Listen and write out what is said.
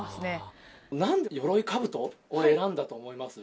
なんでよろいかぶとを選んだと思います？